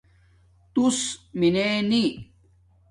تُݸس میننی